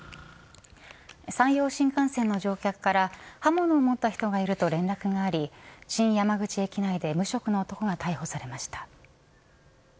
山陽新幹線の乗客から刃物を持った人がいると連絡があり新山口駅内で無職の男が逮捕されました。